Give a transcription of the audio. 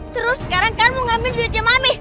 terus sekarang kalian mau ngambil duitnya mami